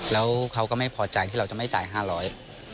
แล้วเขาก็ไม่พอใจที่เราจะไม่จ่าย๕๐๐บาท